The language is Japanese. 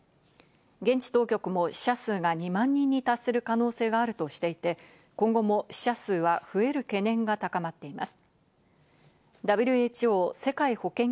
現地当局も者数が２万人に達する可能性があるとしていて、今後も死者数は増える懸念が高まっています。